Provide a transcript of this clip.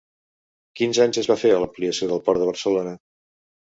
Quins anys es va fer l'ampliació del Port de Barcelona?